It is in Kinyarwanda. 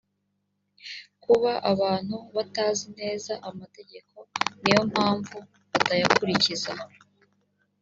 kuba abantu batazi neza amategeko niyo mpamvu batayakurikiza